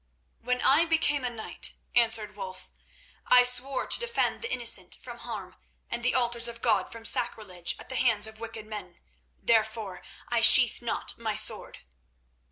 "When I became a knight," answered Wulf, "I swore to defend the innocent from harm and the altars of God from sacrilege at the hands of wicked men. Therefore I sheathe not my sword."